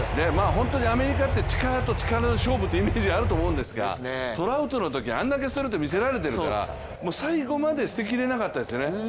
本当にアメリカって力と力の勝負というイメージがあると思うんですがトラウトのとき、あんだけストレート見せられてるからもう最後まで捨てきれなかったですよね。